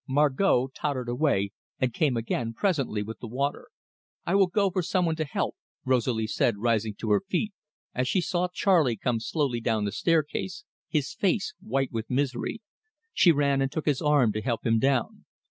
Margot tottered away, and came again presently with the water. "I will go for some one to help," Rosalie said, rising to her feet, as she saw Charley come slowly down the staircase, his face white with misery. She ran and took his arm to help him down.